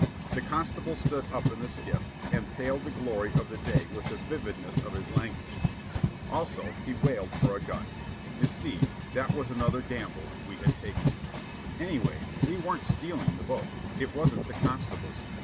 The constable stood up in the skiff, and paled the glory of the day with the vividness of his language. Also, he wailed for a gun. You see, that was another gamble we had taken. Anyway, we weren't stealing the boat. It wasn't the constable's.